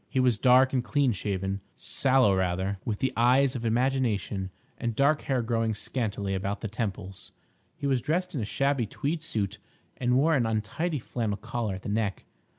He was dark and clean shaven, sallow rather, with the eyes of imagination, and dark hair growing scantily about the temples. He was dressed in a shabby tweed suit, and wore an untidy flannel collar at the neck.